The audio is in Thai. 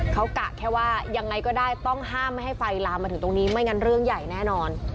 เขากะแค่ว่ายังไงก็ได้ต้องห้ามไม่ให้ไฟลามมาถึงตรงนี้ไม่งั้นเรื่องใหญ่แน่นอน